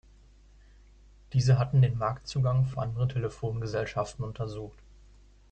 Diese hatten den Marktzugang für andere Telefongesellschaften untersucht.